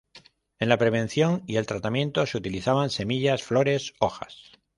En la prevenсión y el tratamiento se utilizaban semillas, flores, hojas.